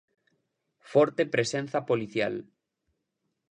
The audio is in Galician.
Forte presenza policial.